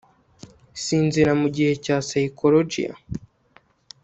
Sinzira mugihe cya psychologiya